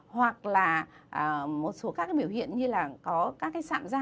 hoặc là một số các biểu hiện như là có các sạm giảm